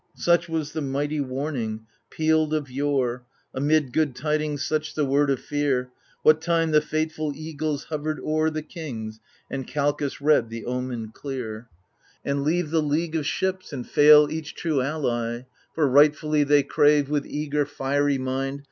Such was the mighty warning, pealed of yore — Amid good tidings, such the word of fear, What time the fateful eagles hovered o'er The kings, and Calchas read the omen clear. i 12 AGAMEMNON And leave the league of ships ^ and fail each true ally; For rightfully they crave, with eager fiery mind.